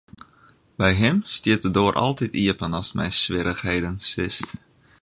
By him stiet de doar altyd iepen ast mei swierrichheden sitst.